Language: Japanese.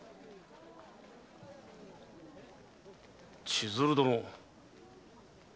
千鶴殿。